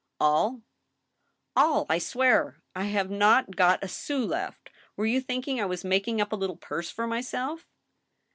" All, I swear ! I have not got a sous left. Were you thinking I was making up a little purse for myself